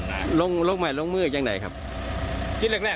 แต่ว่าพระพระเป็นเม่าหรือว่าคนอีกก็เห็นเม่าหรือเปล่า